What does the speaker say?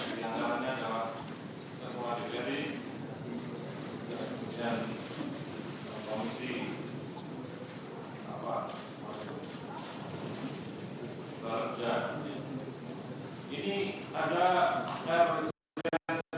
kemudian kemarin pak saksi dari jepang